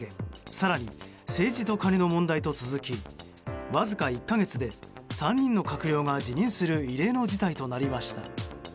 更に、政治とカネの問題と続きわずか１か月で３人の閣僚が辞任する異例の事態となりました。